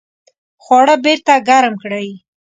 خواړه بیرته ګرم کړئ